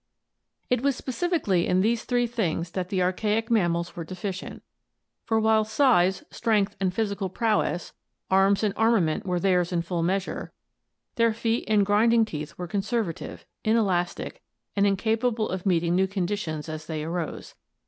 It was specifically in these three things that the archaic mam mals were deficient, for while size, strength, physical prowess, arms and armament were theirs in full measure, their feet and grinding teeth were conservative, inelastic, and incapable of meeting new conditions as they arose.